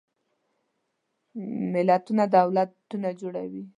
ملتونه دولتونه جوړوي.